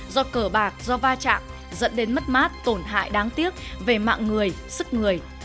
do cờ bạc do va chạm dẫn đến mất mát tổn hại đáng tiếc về mạng người sức người